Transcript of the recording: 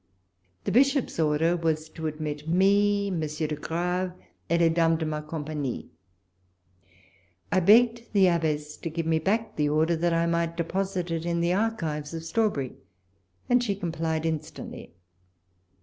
The Bishop's order was to admit me. Monsieur de Grave, et les dames dc ma compacjnie : I begged the abbess to give me back the order, that I might deposit it in the archives of Straw berry, and she complied instantly.